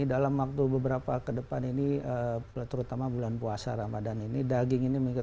dalam waktu beberapa ke depan ini terutama bulan puasa ramadan ini daging ini meningkat